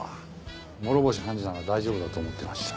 諸星判事なら大丈夫だと思っていました。